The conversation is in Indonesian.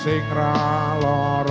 dengan peluang hati